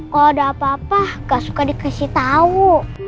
kalau ada apa apa gak suka dikasih tahu